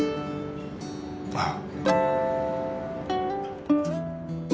ああ。